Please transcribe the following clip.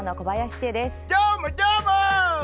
どーも、どーも！